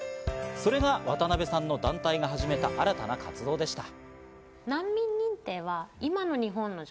それが渡部さんの団体が始めた新たな活動でした。